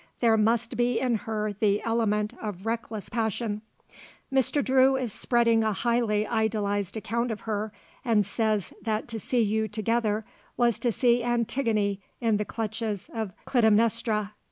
There must be in her the element of reckless passion. Mr. Drew is spreading a highly idealised account of her and says that to see you together was to see Antigone in the clutches of Clytemnestra.